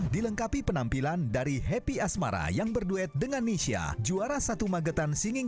dilengkapi penampilan dari happy asmara yang berduet dengan nisha juara satu magetan singing